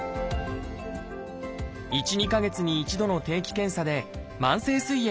１２か月に一度の定期検査で慢性すい